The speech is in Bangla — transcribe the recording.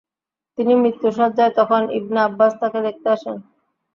তিনি মৃত্যু শয্যায় তখন ইবনে আব্বাস তাকে দেখতে আসেন।